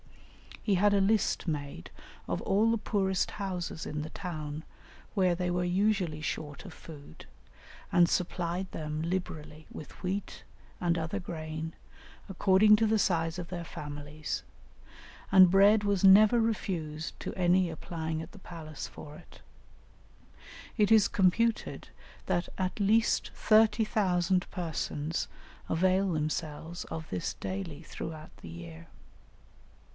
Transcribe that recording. "He had a list made of all the poorest houses in the town, where they were usually short of food, and supplied them liberally with wheat and other grain according to the size of their families, and bread was never refused to any applying at the palace for it; it is computed that at least 30,000 persons avail themselves of this daily throughout the year.